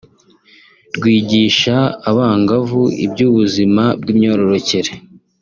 rwigisha abangavu iby’ubuzima bw’imyororokere